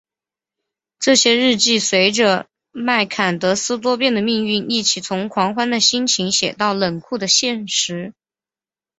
这些日记随着麦坎德斯多变的命运一起从狂喜的心情写到冷酷的现实。